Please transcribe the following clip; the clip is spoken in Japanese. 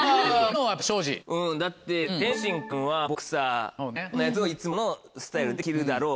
うんだって天心君はまぁボクサーのやつをいつものスタイルで着るだろう。